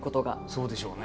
そうでしょうね。